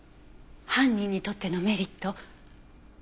犯人にとってのメリット？